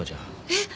えっ？